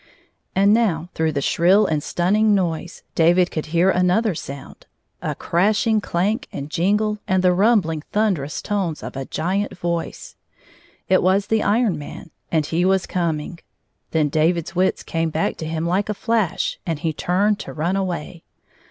And now, through the shrill and stunning noise, David could hear another sound — a crashing clank and jingle and the rumhling thunderous tones of a giant voice. It was the Iron Marij and he was coming. Then David's wits came hack to him like a flash, and he turned to run away.